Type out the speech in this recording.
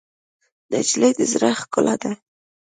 نجلۍ د زړه ښکلا ده.